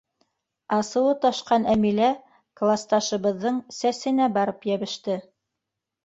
— Асыуы ташҡан Әмилә класташыбыҙҙың сәсенә барып йәбеште.